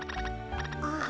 ああ。